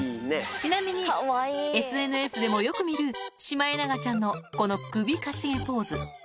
ちなみにＳＮＳでもよく見る、シマエナガちゃんのこの首傾げポーズ。